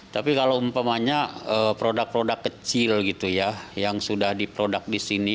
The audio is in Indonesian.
tapi kalau umpamanya produk produk kecil gitu ya yang sudah diproduk di sini